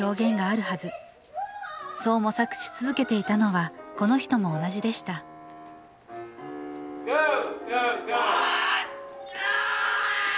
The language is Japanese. そう模索し続けていたのはこの人も同じでしたおのれ！